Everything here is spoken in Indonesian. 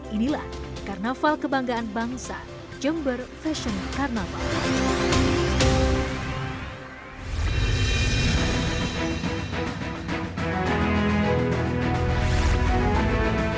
inilah karnaval kebanggaan bangsa jember fashion karnaval